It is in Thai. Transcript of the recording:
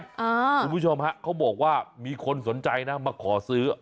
คุณผู้ชมฮะเขาบอกว่ามีคนสนใจนะมาขอซื้อ